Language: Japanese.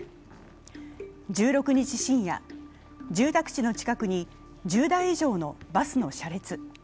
１６日深夜、住宅地の近くに１０台以上のバスの車列。